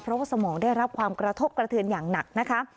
เพราะว่าสมองได้รับความกระทบกระเทือนอย่างหนักนะคะ